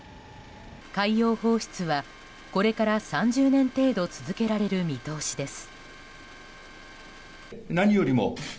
海洋放出は、これから３０年程度続けられる見通しです。